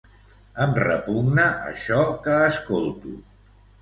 Em repugna això que escolto.